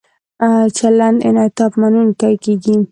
چلند انعطاف مننونکی کیږي.